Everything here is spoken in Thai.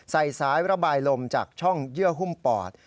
สายระบายลมจากช่องเยื่อหุ้มปอด